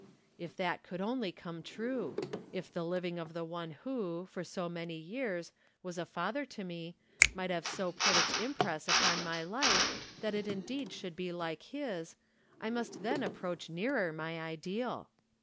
If that could only come true — ^if the living of 96 From Different Standpoints. the one "who, for so many years, was a father to me, might have so put its impress upon my life that it indeed should be like his, I must then ap proach nearer my ideal.